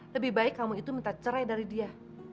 lebih baik kamu itu minta cerai dari dia